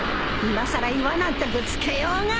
いまさら岩なんてぶつけようが。